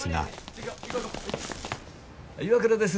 岩倉です。